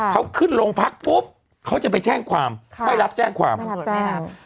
เขาขึ้นโรงพักปุ๊บเขาจะไปแจ้งความไม่รับแจ้งความไม่รับแจ้งความ